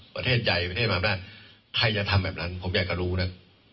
ประเทศใหญ่ประเทศมาไม่ได้ใครจะทำแบบนั้นผมอยากจะรู้นะ